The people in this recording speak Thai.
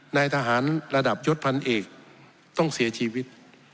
นายทหารระดับยศพันเอกต้องเสียชีวิต